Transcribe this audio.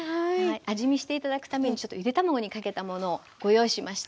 味見して頂くためにちょっとゆで卵にかけたものをご用意しました。